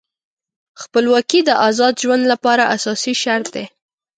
خپلواکي د آزاد ژوند لپاره اساسي شرط دی.